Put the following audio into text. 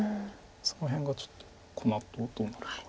その辺がちょっとこのあとどうなるか。